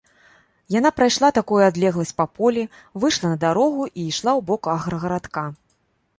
Яна прайшла такую адлегласць па полі, выйшла на дарогу і ішла ў бок аграгарадка.